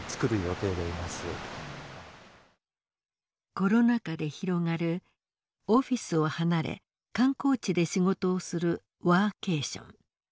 コロナ禍で広がるオフィスを離れ観光地で仕事をするワーケーション。